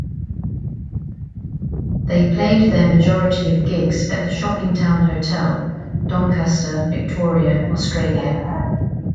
They played their majority of gigs at the Shoppingtown Hotel, Doncaster, Victoria, Australia.